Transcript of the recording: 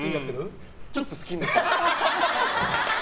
ちょっと好きになってる。